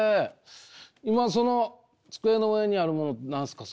今その机の上にあるもの何すか？